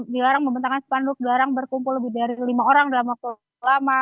dilarang membentangkan sepanduk dilarang berkumpul lebih dari lima orang dalam waktu lama